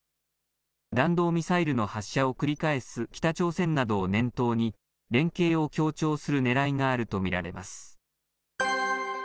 弾道ミサイルの発射を繰り返す、北朝鮮などを念頭に連携を強調するねらいがあると見られます。